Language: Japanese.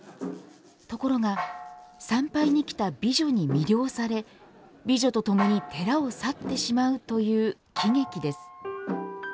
ところが、参拝に来た美女に魅了され美女と共に寺を去ってしまうという喜劇です。